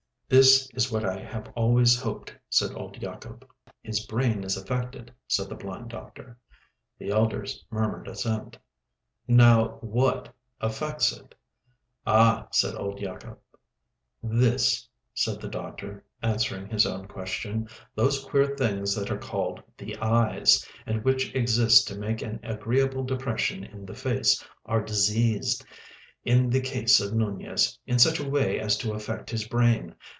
"This is what I have always hoped," said old Yacob. "His brain is affected," said the blind doctor. The elders murmured assent. "Now, what affects it?" "Ah!" said old Yacob. "This," said the doctor, answering his own question. "Those queer things that are called the eyes, and which exist to make an agreeable depression in the face, are diseased, in the case of Nunez, in such a way as to affect his brain.